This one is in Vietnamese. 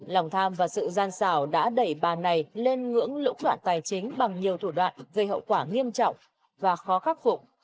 lòng tham và sự gian xảo đã đẩy bà này lên ngưỡng lũng đoạn tài chính bằng nhiều thủ đoạn gây hậu quả nghiêm trọng và khó khắc phục